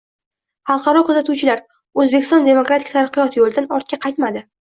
Xalqaro kuzatuvchilar: O‘zbekiston demokratik taraqqiyot yo‘lidan ortga qaytmayding